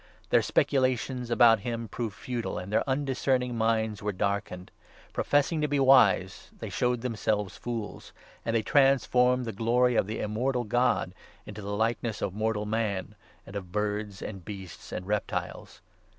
Their specu lations about him proved futile, and their undiscerning minds were darkened. Professing to be wise, they showed themselves fools ; and they transformed the Glory of the immortal God into the likeness of mortal man, and of birds, and beasts, and reptiles.